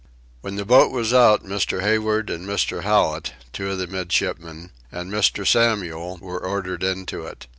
When the boat was out Mr. Hayward and Mr. Hallet, two of the midshipmen, and Mr. Samuel, were ordered into it.